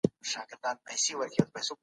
ايا تخنيکي پرمختګ په ټولنه اغېزه لري؟